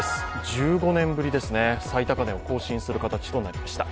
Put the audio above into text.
１５年ぶりに最高値を更新する形となりました。